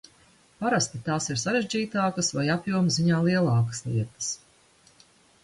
Parasti tās ir sarežģītākas vai apjoma ziņā lielākas lietas.